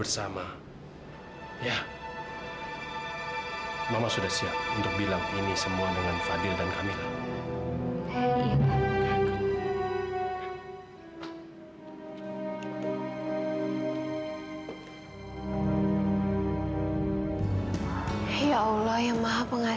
sampai jumpa di video selanjutnya